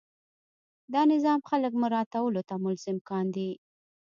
دا نظام خلک مراعاتولو ته ملزم کاندي.